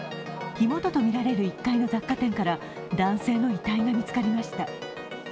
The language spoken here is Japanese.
火元とみられる１階の雑貨店から男性の遺体が見つかりました。